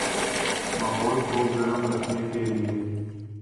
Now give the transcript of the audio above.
ماحول کو گرم رکھنے کے لئے